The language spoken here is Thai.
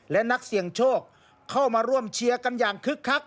และนักเสี่ยงโชคเข้ามาร่วมเชียร์กันอย่างคึกคัก